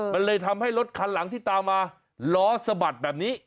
มันเลยทำให้รถคันหลังที่ตามมาล้อสะบัดแบบนี้